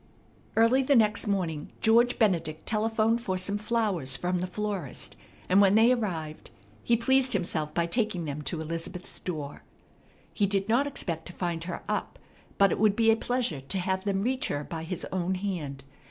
Early the next morning George Benedict telephoned for some flowers from the florist; and, when they arrived, he pleased himself by taking them to Elizabeth's door. He did not expect to find her up, but it would be a pleasure to have them reach her by his own hand.